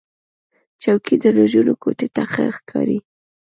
چوکۍ د نجونو کوټې ته ښه ښکاري.